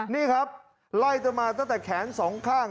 นี่ครับไล่เธอมาตั้งแต่แขนสองข้าง